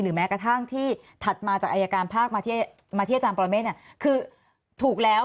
แม้กระทั่งที่ถัดมาจากอายการภาคมาที่อาจารย์ปรเมฆคือถูกแล้ว